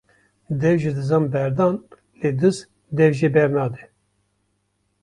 Dev ji dizan berdan lê diz dev jê bernade